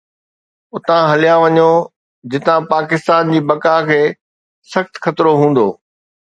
اتان هليا وڃو جتان پاڪستان جي بقا کي سخت خطرو هوندو